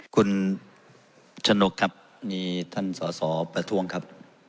คุณชนกครับมีท่านสอสอประท้วงครับ